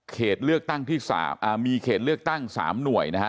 เขตเลือกตั้งที่๓มีเขตเลือกตั้ง๓หน่วยนะฮะ